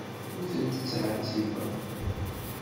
Ur ten-ttɛettibeɣ.